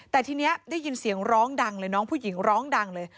แต่ทีนี้ได้ยินเสียงร้องดังเลยน้องผู้หญิงร้องดังเลย